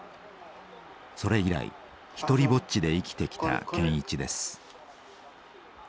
それ以来独りぼっちで生きてきた健一です。